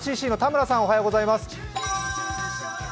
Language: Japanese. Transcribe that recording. ＲＣＣの田村さんおはようございます